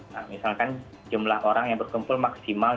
nah misalkan jumlah orang yang berkumpul maksimal